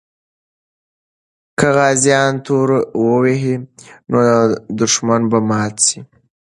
که غازیان تورو وهي، نو دښمن به مات سي.